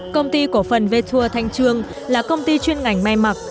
công ty của phần vtour thanh trương là công ty chuyên ngành may mặc